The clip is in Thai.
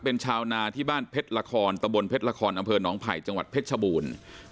เป็นชาวนาที่บ้านเพชรละครตะบนเพชรละครอำเภอหนองไผ่จังหวัดเพชรชบูรณ์